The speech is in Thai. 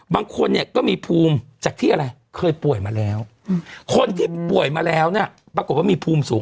บางคนเนี่ยก็มีภูมิจากที่อะไรเคยป่วยมาแล้วคนที่ป่วยมาแล้วเนี่ยปรากฏว่ามีภูมิสูง